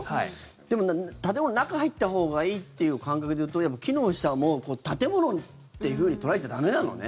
でも建物の中入ったほうがいいっていう感覚で言うと木の下も建物っていうふうに捉えちゃ駄目なのね。